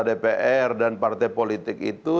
dpr dan partai politik itu